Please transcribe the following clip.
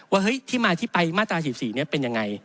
เฮ้ยที่มาที่ไปมาตรา๑๔นี้เป็นยังไง